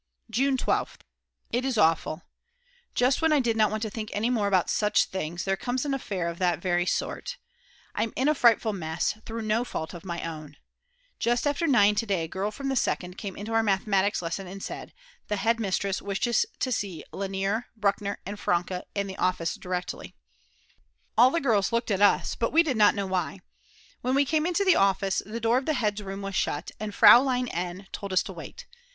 June 12th. It is awful; just when I did not want to think any more about such things, there comes an affair of that very sort! I'm in a frightful mess through no fault of my own. Just after 9 to day a girl from the Second came in to our Mathematic lesson and said: "The head mistress wishes to see Lainer, Bruckner, and Franke in the office directly." All the girls looked at us, but we did not know why. When we came into the office, the door of the head's room was shut and Fraulein N. told us to wait.